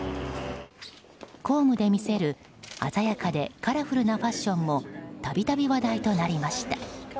公務で見せる鮮やかでカラフルなファッションも度々、話題となりました。